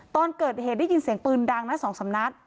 ตอนเกิดเหตุได้ยินเสียงปืนดังนะ๒๓นัด